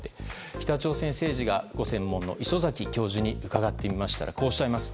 北朝鮮政治がご専門の礒崎教授に伺ってみましたらこうおっしゃいます。